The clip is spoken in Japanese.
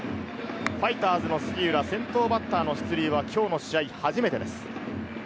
ファイターズの杉浦、先頭バッターの出塁は今日の試合初めてです。